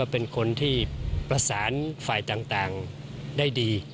เป็นคนที่ประสานฝ่ายต่างได้ดี